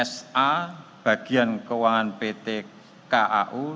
sa bagian keuangan ptkau